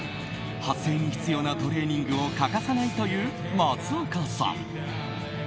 発声に必要なトレーニングを欠かさないという松岡さん。